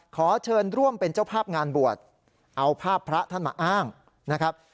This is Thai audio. ขอเชิญร่วมเป็นเจ้าภาพงานบวชเอาภาพพระท่านมาอ้างนะครับ